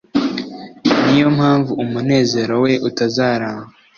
ni yo mpamvu umunezero we utazaramba